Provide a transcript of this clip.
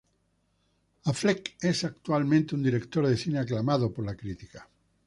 Affleck es actualmente un director de cine aclamado por la crítica.